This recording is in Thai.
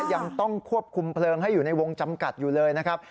ยังต้องควบคุมเพลิงให้อยู่ในวงจำกัดอยู่เลยนะครับ